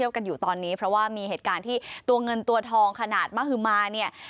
กันอยู่ตอนนี้เพราะว่ามีเหตุการณ์ที่ตัวเงินตัวทองขนาดมหึมาเนี่ย